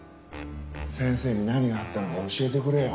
先生に何があったのか教えてくれよ。